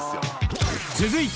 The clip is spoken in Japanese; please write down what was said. ［続いて］